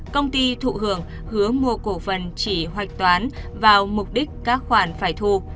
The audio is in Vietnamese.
công ty thụ hưởng hứa mua cổ phần chỉ hoạch toán vào mục đích các khoản phải thu